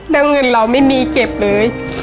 แล้วเงินเราไม่มีเก็บเลย